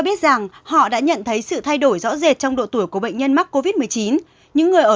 biết rằng họ đã nhận thấy sự thay đổi rõ rệt trong độ tuổi của bệnh nhân mắc covid một mươi chín những người ở